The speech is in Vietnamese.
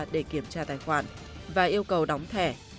để kiểm tra tài khoản và yêu cầu đóng thẻ